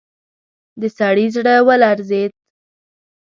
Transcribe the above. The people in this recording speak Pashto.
د سړي زړه ولړزېد.